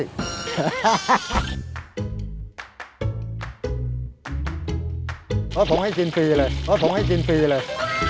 เพราะผมให้กินฟรีเลย